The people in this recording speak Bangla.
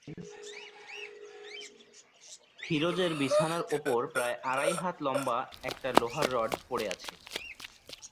ফিরোজের বিছানার ওপর প্রায় আড়াই হাত লম্বা একটা লোহার রড পড়ে আছে।